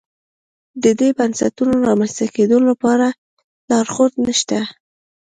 د دې بنسټونو رامنځته کېدو لپاره لارښود نه شته.